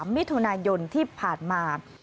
มิถุนายนที่ผ่านมา